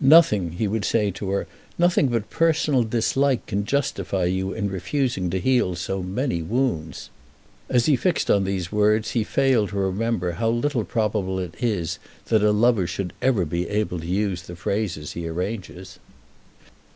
"Nothing," he would say to her, "nothing but personal dislike can justify you in refusing to heal so many wounds." As he fixed on these words he failed to remember how little probable it is that a lover should ever be able to use the phrases he arranges.